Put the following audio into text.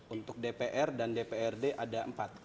untuk dpr dan dprd ada empat